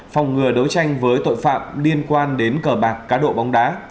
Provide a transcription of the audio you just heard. phòng ngừa đấu tranh với tội phạm liên quan đến cờ bạc cá độ bóng đá